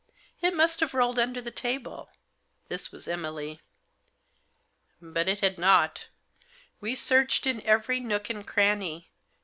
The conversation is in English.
" It must have rolled under the table." This was Emily. But it had not We searched in every nook and cranny.